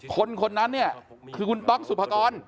คนคนนั้นเนี่ยคือคุณต๊อกสุภากร